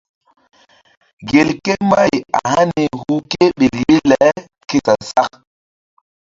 Gelke mbay a hani hu ke ɓel ye le ke sa-sak.